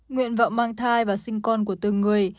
nguyện vọng mang thai và sinh con của từng người